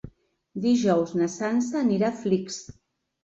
Dijous na Sança anirà a Flix.